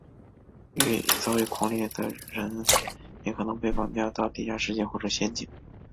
遭遇狂猎的人也可能被绑架到地下世界或者仙境。